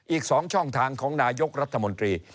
อีก๒ช่องทางของนายกรัฐมนตรี